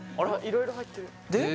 色々入ってるで？